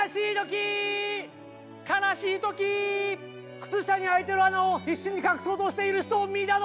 靴下に開いてる穴を必死に隠そうとしている人を見た時。